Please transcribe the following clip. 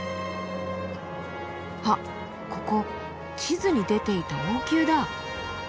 あっここ地図に出ていた王宮だ。